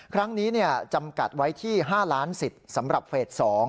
ครั้งนี้จำกัดไว้ที่๕ล้านสิทธิ์สำหรับเฟส๒